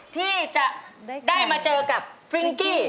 ที่จะได้มาเจอกับฟริ้งกี้